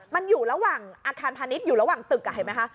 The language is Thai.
มันอยู่ระหว่างอาคารพาณิชย์อยู่ระหว่างตึกเห็นไหมคะ